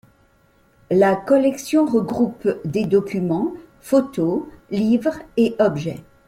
La collection regroupe des documents, photos, livres et objets.